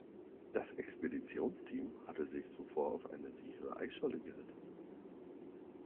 Das Expeditionsteam hatte sich zuvor auf eine sichere Eisscholle gerettet.